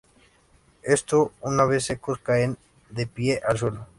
Éstos, una vez secos, caen de la piel al suelo.